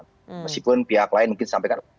meskipun pihak lain mungkin sampaikan